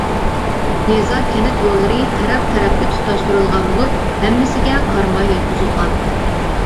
يېزا-كەنت يوللىرى تەرەپ-تەرەپكە تۇتاشتۇرۇلغان بولۇپ، ھەممىسىگە قاراماي ياتقۇزۇلغان.